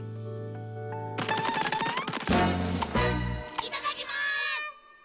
いただきます。